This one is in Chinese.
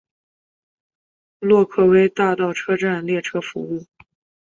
洛克威大道车站列车服务。